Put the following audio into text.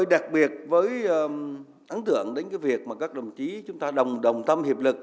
đặc biệt với ấn tượng đến cái việc mà các đồng chí chúng ta đồng tâm hiệp lực